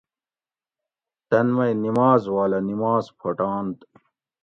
تن مئی نماز والہ نماز پھوٹانت